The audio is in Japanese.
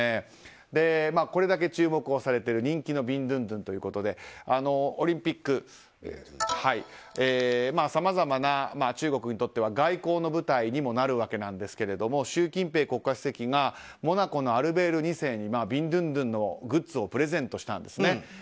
これだけ注目されている人気のビンドゥンドゥンということでオリンピックはさまざまな中国にとっては外交の舞台にもなるわけですが習近平国家主席がモナコのアルベール２世にビンドゥンドゥンのグッズをプレゼントしたんですね。